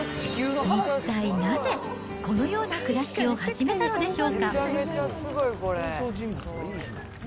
一体なぜ、このような暮らしを始めたのでしょうか。